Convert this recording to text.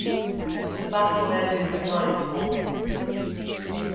The battle ended with nightfall.